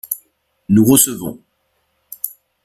Nous recevons.